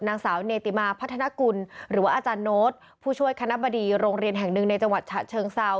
หรือว่าอาจารย์โน้ตผู้ช่วยคณะบดีโรงเรียนแห่งหนึ่งในจังหวัดฉะเชิงเซา